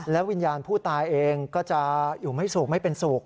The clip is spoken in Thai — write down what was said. และวิญญาณผู้ตายเองก็จะอยู่ไม่โสกไม่เป็นโสก